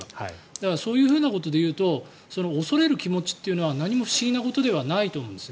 だから、そういうことでいうと恐れる気持ちは何も不思議なことではないと思うんです。